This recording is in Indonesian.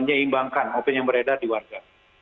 menyeimbangkan opini yang beredar di warga